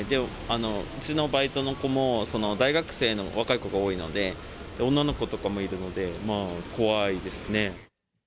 うちのバイトの子も、大学生の若い子が多いので、女の子とかもいるので、まあ、怖いですね。